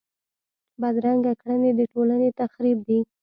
بدرنګه کړنې د ټولنې تخریب دي